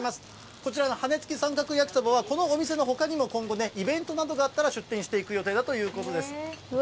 こちらの羽根つき三角焼きそばはこのお店のほかにも、今後ね、イベントなどがあったら出店していく予定だということです。